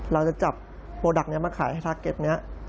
เราจะจับโปรดักต์นี้มาขายให้ทาร์เก็ตนี้